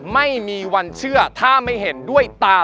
คุณประตูมสวัสดีครับ